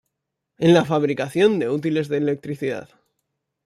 En la fabricación de útiles de electricidad.